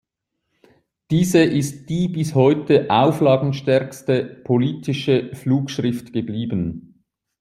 Diese ist die bis heute auflagenstärkste politische Flugschrift geblieben.